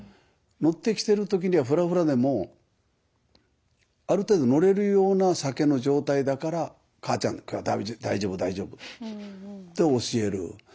乗ってきてる時にはフラフラでもある程度乗れるような酒の状態だから「母ちゃん今日は大丈夫大丈夫」って教える。